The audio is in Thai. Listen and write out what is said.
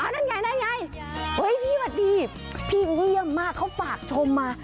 นั่นไงพี่มาดีพี่เยี่ยมมากเขาฝากชมมา